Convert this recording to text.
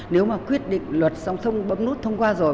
nếu mà quyết định luật xong bấm nút thông qua rồi